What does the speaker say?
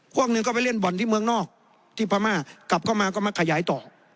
พวกหนึ่งก็ไปเล่นบ่อนที่เมืองนอกที่พม่ากลับเข้ามาก็มาขยายต่อ